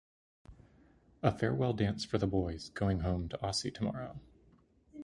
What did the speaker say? A farewell dance for the boys going home to Aussie tomorrow.